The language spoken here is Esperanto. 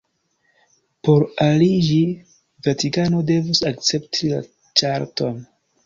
Por aliĝi, Vatikano devus akcepti la ĉarton.